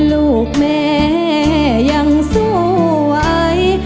ลูกแม่ยังสวย